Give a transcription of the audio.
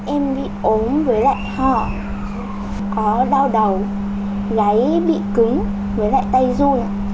em bị ốm với lại họ có đau đầu gáy bị cứng với lại tay ru